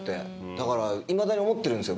だからいまだに思ってるんですよ